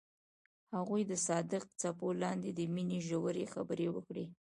هغوی د صادق څپو لاندې د مینې ژورې خبرې وکړې.